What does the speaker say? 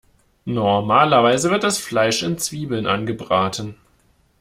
Normalerweise wird das Fleisch in Zwiebeln angebraten.